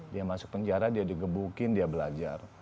dia masuk penjara dia di gebukin dia belajar